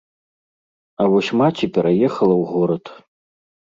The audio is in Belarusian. А вось маці пераехала ў горад.